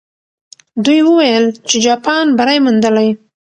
دوی وویل چې جاپان بری موندلی.